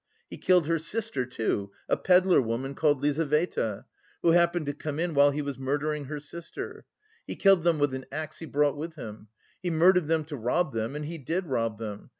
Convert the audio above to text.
He killed her sister too, a pedlar woman called Lizaveta, who happened to come in while he was murdering her sister. He killed them with an axe he brought with him. He murdered them to rob them and he did rob them.